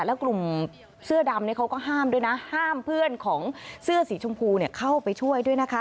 แล้วกลุ่มเสื้อดำเขาก็ห้ามด้วยนะห้ามเพื่อนของเสื้อสีชมพูเข้าไปช่วยด้วยนะคะ